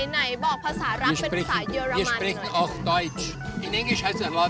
ไหนบอกภาษารักษ์เป็นภาษาเยอรมัน